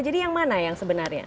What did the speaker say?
jadi yang mana yang sebenarnya